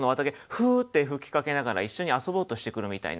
フーッて吹きかけながら一緒に遊ぼうとしてくるみたいな